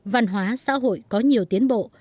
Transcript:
văn hóa xã hội có nhiều tiến bộ